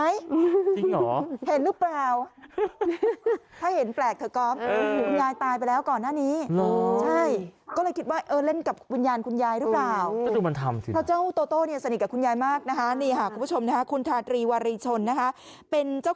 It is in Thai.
ผิดหรือเปล่าแล้วเห็นไหมมีคนยืนอยู่หรือเปล่า